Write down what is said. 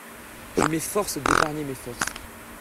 Je m'efforce d'épargner mes forces.